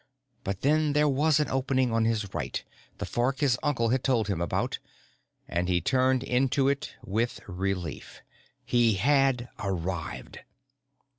But then there was an opening on his right the fork his uncle had told him about and he turned into it with relief. He had arrived.